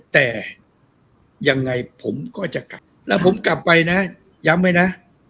แต่ยังไงผมก็จะกลับแล้วผมกลับไปนะย้ำไว้นะ